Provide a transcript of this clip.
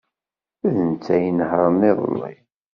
D netta ay inehṛen iḍelli.